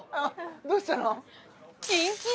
どうしたの？